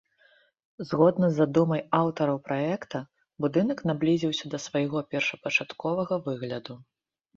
Згодна з задумай аўтараў праекта, будынак наблізіўся да свайго першапачатковага выгляду.